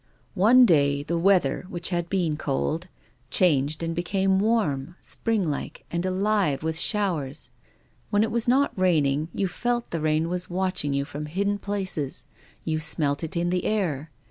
"" One day the weather, which had been cold, changed and became warm, springlike, and alive with showers. When it was not raining, you felt the rain was watching you from hidden places. You smelt it in the air.